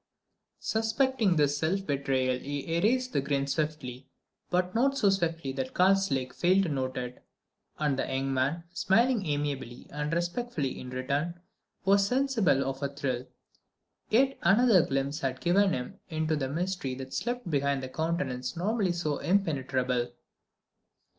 Suspecting this self betrayal, he erased the grin swiftly, but not so swiftly that Karslake failed to note it. And the young man, smiling amiably and respectfully in return, was sensible of a thrill: yet another glimpse had been given him into the mystery that slept behind that countenance normally so impenetrable.